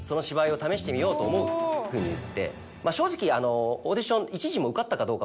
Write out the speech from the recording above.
正直オーディション。